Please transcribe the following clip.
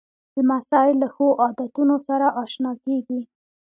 لمسی له ښو عادتونو سره اشنا کېږي.